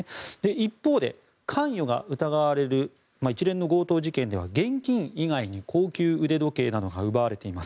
一方で関与が疑われる一連の強盗事件では現金以外に高級腕時計などが奪われています。